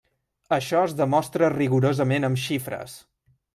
Això es demostra rigorosament amb xifres.